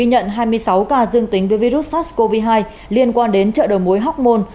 nhận hai mươi sáu ca dương tính với virus sars cov hai liên quan đến trợ đồ mối hóc môn